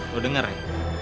lo denger ya